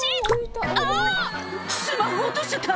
「あぁスマホ落としちゃった」